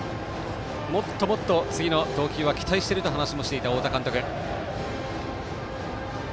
もっともっと次の投球は期待していると話もしていた太田監督。